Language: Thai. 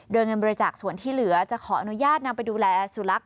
โดยเงินบริจาคส่วนที่เหลือจะขออนุญาตนำไปดูแลสุนัข